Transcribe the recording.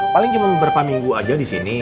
paling cuma beberapa minggu aja di sini